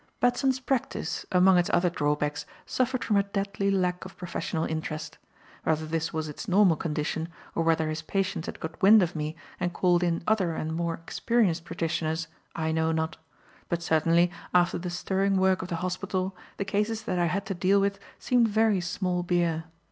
Batson's practice, among its other drawbacks, suffered from a deadly lack of professional interest. Whether this was its normal condition, or whether his patients had got wind of me and called in other and more experienced practitioners, I know not; but certainly, after the stirring work of the hospital, the cases that I had to deal with seemed very small beer.